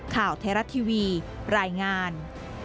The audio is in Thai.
ข่าวเทราะทีวีรายงาน